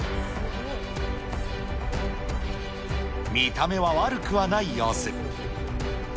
見た目は悪くはない様子。